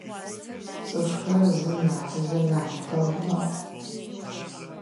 Цӏыфхэр зым нахьи зыр нахь дэгъу мэхъух.